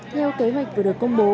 theo kế hoạch vừa được công bố